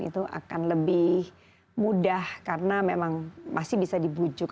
itu akan lebih mudah karena memang masih bisa dibujuk